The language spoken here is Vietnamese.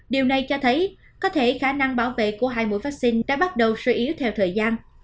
điều này cho thấy có thể khả năng bảo vệ của hai mũi vaccine đã bắt đầu suy yếu theo thời gian